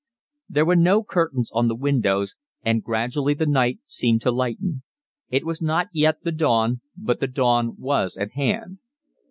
There were no curtains on the windows, and gradually the night seemed to lighten; it was not yet the dawn, but the dawn was at hand.